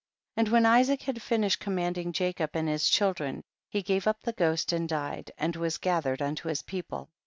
9. And when Isaac had finished commanding Jacob and his children, he gave up the ghost and died, and was gathered unto his people.